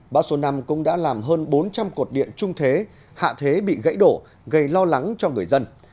bão số năm cũng đã làm hơn bốn trăm linh cột điện trung thế hạ thế bị gãy đổ gây lo lắng cho người dân